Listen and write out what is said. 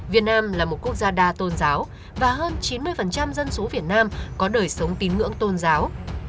việt nam là một quốc gia đa tôn giáo và hơn chín mươi dân số việt nam có đời sống tín ngưỡng tôn giáo